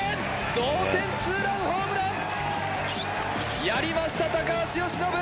同点ツーランホームラン、やりました、高橋由伸。